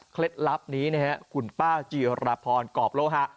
เคล็ดลับนี้คุณป้าจิรพรกรอบโลหะ